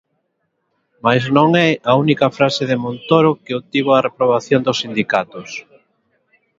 Mais non é a única frase de Montoro que obtivo a reprobación dos sindicatos.